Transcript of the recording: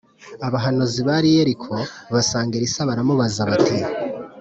Abahanuzi bari i Yeriko basanga Elisa baramubaza bati